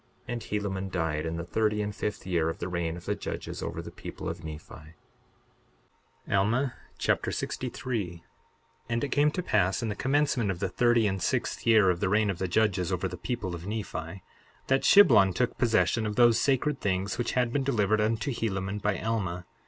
And Helaman died, in the thirty and fifth year of the reign of the judges over the people of Nephi. Alma Chapter 63 63:1 And it came to pass in the commencement of the thirty and sixth year of the reign of the judges over the people of Nephi, that Shiblon took possession of those sacred things which had been delivered unto Helaman by Alma.